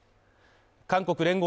韓国聯合